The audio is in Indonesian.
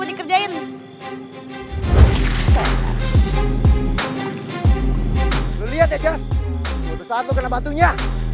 lo liat ya jas butuh saat lo kena batunya